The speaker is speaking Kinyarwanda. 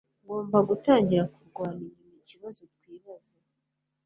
Ngomba gutangira kurwana inyuma ikibazo twibaza